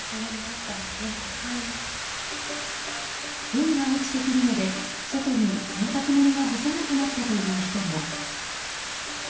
ふんが落ちてくるので外に洗濯物が干せなくなったという人も。